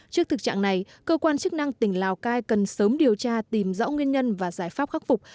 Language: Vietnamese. trước thực trạng này cơ quan chức năng tỉnh lào cai cần sớm điều tra tìm rõ nguyên nhân và giải pháp khắc phục